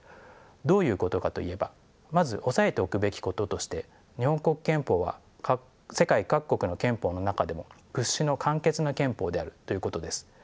どういうことかといえばまず押さえておくべきこととして日本国憲法は世界各国の憲法の中でも屈指の簡潔な憲法であるということです。